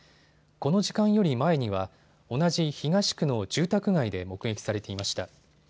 この時間より前には同じ東区の住宅街で目撃されていました。